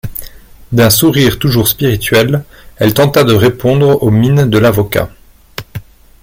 D'un sourire toujours spirituel elle tenta de répondre aux mines de l'avocat.